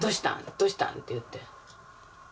どうしたん？って言って。